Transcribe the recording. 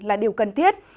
là điều cần thiết